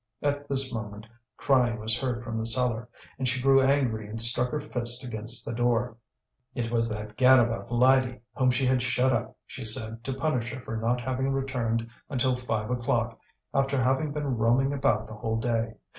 At this moment crying was heard from the cellar, and she grew angry and struck her fist against the door. It was that gadabout Lydie, whom she had shut up, she said, to punish her for not having returned until five o'clock, after having been roaming about the whole day.